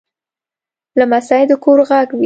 لمسی د کور غږ وي.